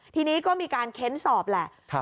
ทีนี้ก็มีการเค้นสอบแหละ